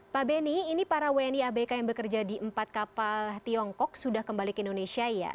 pak beni ini para wni abk yang bekerja di empat kapal tiongkok sudah kembali ke indonesia ya